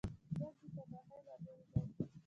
جنګ د تباهۍ لامل دی